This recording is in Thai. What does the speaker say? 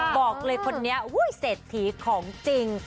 บอกเลยคนนี้เศรษฐีของจริง